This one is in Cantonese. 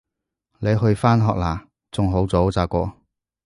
你去返學喇？仲好早咋喎